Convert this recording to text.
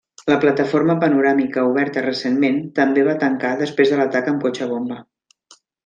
La plataforma panoràmica, oberta recentment, també va tancar després de l'atac amb cotxe bomba.